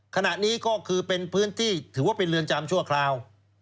ขณะนี้ก็คือเป็นพื้นที่ถือว่าเป็นเรือนจำชั่วคราว